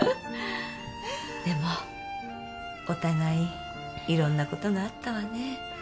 でもお互い色んなことがあったわね